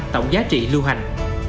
ba mươi ba tám tổng giá trị lưu hành